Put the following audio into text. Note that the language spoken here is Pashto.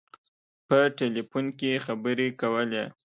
په ټلفون کې خبري کولې.